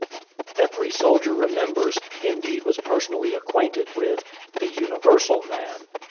Every soldier remembers indeed, was personally acquainted with the Universal man.